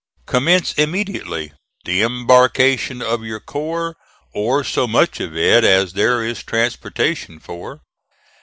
Commence immediately the embarkation of your corps, or so much of it as there is transportation for.